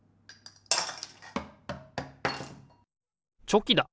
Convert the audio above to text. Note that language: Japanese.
チョキだ！